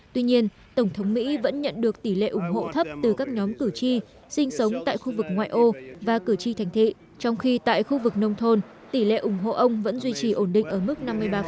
tuy nhiên tổng thống mỹ vẫn nhận được tỷ lệ ủng hộ thấp từ các nhóm cử tri sinh sống tại khu vực ngoại ô và cử tri thành thị trong khi tại khu vực nông thôn tỷ lệ ủng hộ ông vẫn duy trì ổn định ở mức năm mươi ba